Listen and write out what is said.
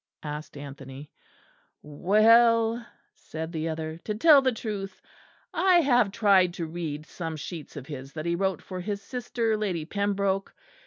asked Anthony. "Well," said the other, "to tell the truth, I have tried to read some sheets of his that he wrote for his sister, Lady Pembroke.